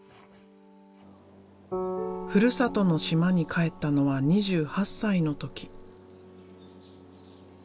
ふるさとの島に帰ったのは２８歳の時。